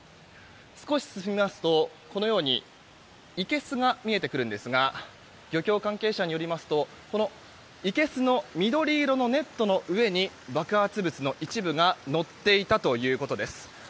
少し進みますと、このようにいけすが見えてくるんですが漁協関係者によりますといけすの緑色のネットの上に爆発物の一部が乗っていたということです。